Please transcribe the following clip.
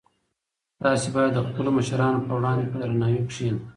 تاسي باید د خپلو مشرانو په وړاندې په درناوي کښېنئ.